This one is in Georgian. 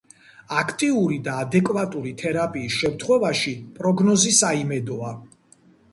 აქტიური და ადეკვატური თერაპიის შემთხვევაში პროგნოზი საიმედოა.